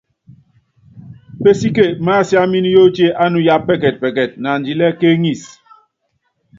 Pésíke masiámin yóotié ánuya pɛkɛtpɛkɛt naandilíkéeŋisí.